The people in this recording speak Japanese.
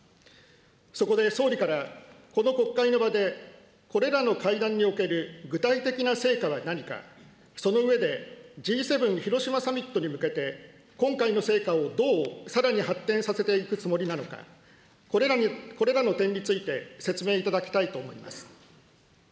そこで、総理からこの国会の場で、これらの会談における具体的な成果は何か、その上でＧ７広島サミットに向けて、今回の成果をどう、さらに発展させていくつもりなのか、これらの点について説明いただきたいと思います。